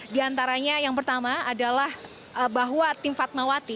di antaranya yang pertama adalah bahwa tim fatmawati